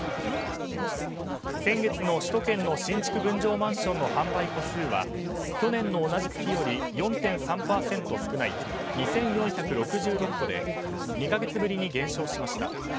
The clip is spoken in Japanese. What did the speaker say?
先月の首都圏の新築分譲マンションの販売戸数は去年の同じ月より４．３％少ない２４６６戸で２か月ぶりに減少しました。